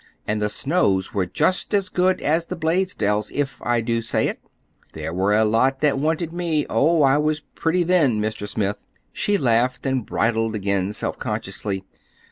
And the Snows were just as good as the Blaisdells, if I do say it. There were a lot that wanted me—oh, I was pretty then, Mr. Smith." She laughed, and bridled again self consciously.